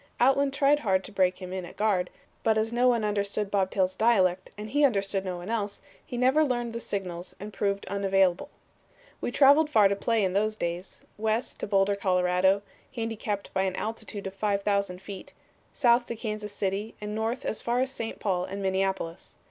Outland tried hard to break him in at guard, but as no one understood Bob Tail's dialect, and he understood no one else, he never learned the signals, and proved unavailable. "We traveled far to play in those days; west to Boulder, Colorado, handicapped by an altitude of 5000 feet, south to Kansas City and north as far as St. Paul and Minneapolis.